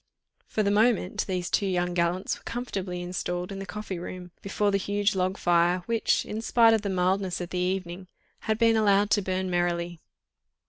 For the moment these two young gallants were comfortably installed in the coffee room, before the huge log fire, which, in spite of the mildness of the evening, had been allowed to burn merrily.